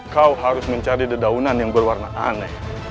kau harus mencari dedaunan yang berwarna aneh